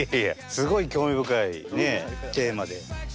すごい興味深いねえテーマで。